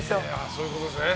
「そういう事ですね」